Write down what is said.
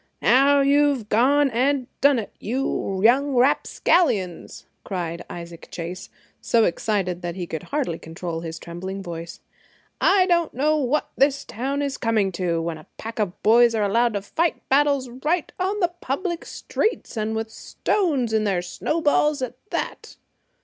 "Now you've gone and done it, you young rapscallions!" cried Isaac Chase, so excited that he could hardly control his trembling voice. "I don't know what this town is coming to, when a pack of boys are allowed to fight battles right on the public streets, and with stones in their snowballs at that!"